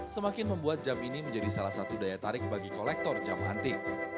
semakin membuat jam ini menjadi salah satu daya tarik bagi kolektor jam antik